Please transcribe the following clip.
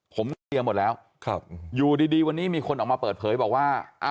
ผมได้เตรียมหมดแล้วอยู่ดีวันนี้มีคนออกมาเปิดเผยบอกว่า